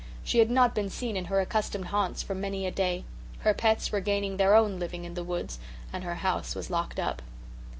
She had not been seen in her accustomed haunts for many a day. Her pets were gaining their own living in the woods and her house was locked up.